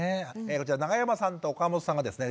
こちら永山さんと岡本さんがですね